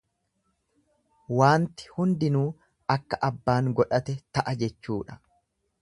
Wanti hundinuu akka abbaan godhate ta'a jechuudha.